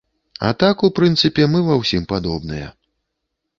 А так, у прынцыпе, мы ва ўсім падобныя.